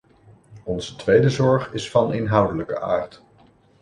Onze tweede zorg is van inhoudelijke aard.